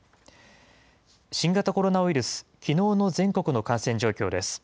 新型コロナウイルス、きのうの全国の感染状況です。